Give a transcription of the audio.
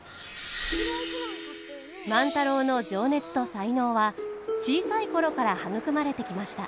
万太郎の情熱と才能は小さい頃から育まれてきました。